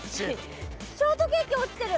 ショートケーキ落ちてる！